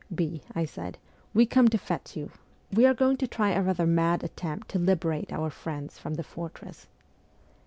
' B.,' I said, ' we come to fetch you : we are going to try a rather mad attempt to liberate our friends from the fortress.'